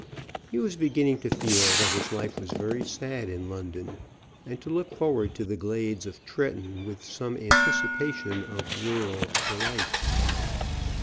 He was beginning to feel that his life was very sad in London, and to look forward to the glades of Tretton with some anticipation of rural delight.